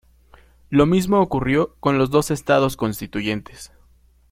Lo mismo ocurrió con los dos estados constituyentes.